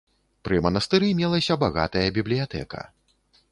Пры манастыры мелася багатая бібліятэка.